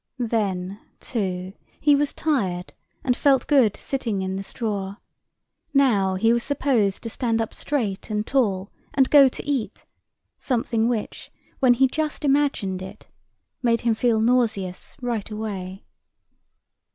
Then, too, he was tired and felt good sitting in the straw. Now he was supposed to stand up straight and tall and go to eat, something which, when he just imagined it, made him feel nauseous right away.